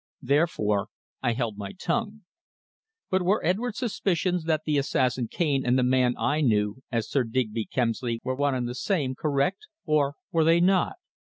Therefore I had held my tongue. But were Edwards' suspicions that the assassin Cane and the man I knew as Sir Digby Kemsley were one and the same, correct, or were they not?